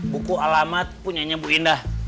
buku alamat punya ibu indah